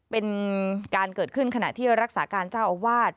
เป็นการเกิดขึ้นขณะที่รักษาการเจ้าอาวาส